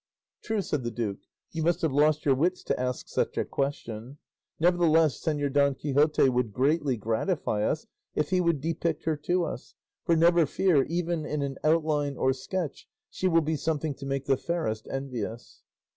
"True," said the duke; "you must have lost your wits to ask such a question. Nevertheless, Señor Don Quixote would greatly gratify us if he would depict her to us; for never fear, even in an outline or sketch she will be something to make the fairest envious."